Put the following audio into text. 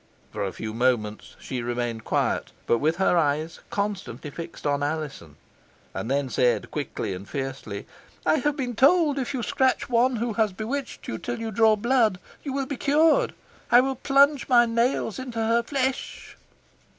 For a few moments she remained quiet, but with her eyes constantly fixed on Alizon, and then said, quickly and fiercely, "I have been told, if you scratch one who has bewitched you till you draw blood, you will be cured. I will plunge my nails in her flesh."